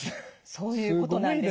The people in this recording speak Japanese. そういうことなんです。